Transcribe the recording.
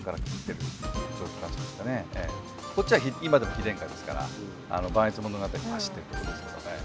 こっちは今でも非電化ですからばんえつ物語も走ってるとこですけどね。